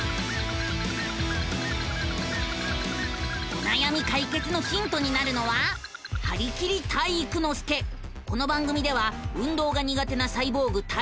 おなやみ解決のヒントになるのはこの番組では運動が苦手なサイボーグ体育ノ